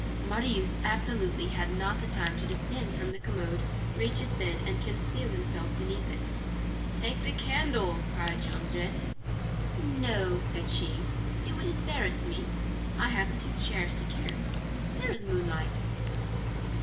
Marius absolutely had not the time to descend from the commode, reach his bed, and conceal himself beneath it. "Take the candle," cried Jondrette. "No," said she, "it would embarrass me, I have the two chairs to carry. There is moonlight."